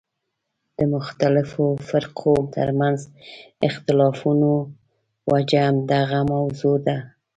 د مختلفو فرقو ترمنځ اختلافونو وجه همدغه موضوع ده.